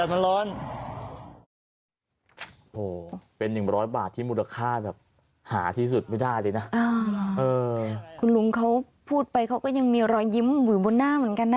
โหเป็นหนึ่งร้อยบาทที่มูลค่าแบบหาที่สุดไม่ได้เลยนะเออคุณลุงเขาพูดไปเขาก็ยังมีรอยยิ้มหมื่นบนหน้าเหมือนกันนะ